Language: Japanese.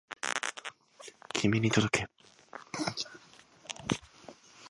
君に届け